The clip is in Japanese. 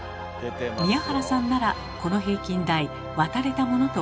宮原さんならこの平均台渡れたものと思われます。